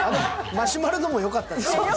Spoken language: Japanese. マシュマロでもよかった。